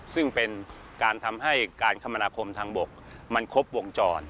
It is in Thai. ซึ่งเป็นการทำให้การคมนาคมทางบกมันครบวงจร